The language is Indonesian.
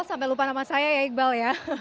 sampai lupa nama saya ya iqbal ya